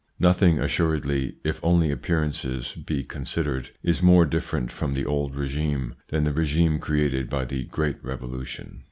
Nothing assuredly, if only appearances be con sidered, is more different from the old regime than the regime created by the Great Revolution.